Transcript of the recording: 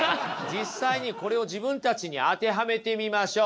実際にこれを自分たちに当てはめてみましょう。